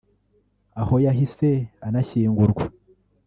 aho yahise anashyingurwa